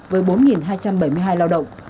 với bốn hai trăm bảy mươi hai lao động